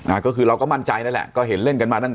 อ่าก็คือเราก็มั่นใจนั่นแหละก็เห็นเล่นกันมาตั้ง